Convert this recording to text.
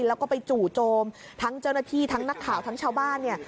แล้วก็ไปจู่โจมทั้งเจ้าหน้าที่ทั้งนักข่าวทั้งชาวบ้านเนี่ย